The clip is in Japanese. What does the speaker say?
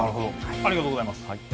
ありがとうございます。